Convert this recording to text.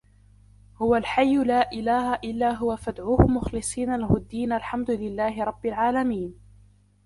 هُوَ الْحَيُّ لَا إِلَهَ إِلَّا هُوَ فَادْعُوهُ مُخْلِصِينَ لَهُ الدِّينَ الْحَمْدُ لِلَّهِ رَبِّ الْعَالَمِينَ